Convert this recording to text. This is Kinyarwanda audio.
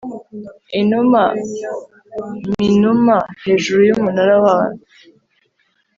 Inuma ninuma hejuru yumunara wabo